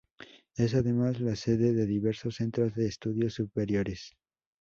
Es además la sede de diversos centros de estudios superiores.